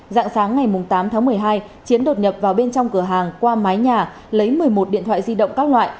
dạng sáng ngày tám tháng một mươi hai chiến đột nhập vào bên trong cửa hàng qua mái nhà lấy một mươi một điện thoại di động các loại